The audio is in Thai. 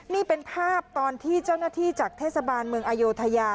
นี่เป็นภาพตอนที่เจ้าหน้าที่จากเทศบาลเมืองอโยธยา